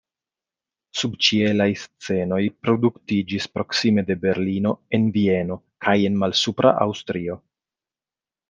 Subĉielaj scenoj produktiĝis proksime de Berlino, en Vieno kaj en Malsupra Aŭstrio.